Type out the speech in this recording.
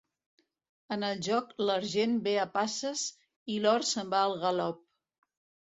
En el joc l'argent ve a passes i l'or se'n va al galop.